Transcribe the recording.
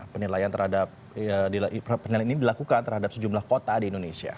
penilaian ini dilakukan terhadap sejumlah kota di indonesia